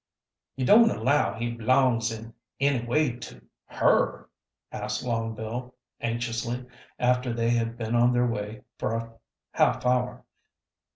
"You don't allow he b'longs in any way to her?" asked Long Bill, anxiously, after they had been on their way for a half hour.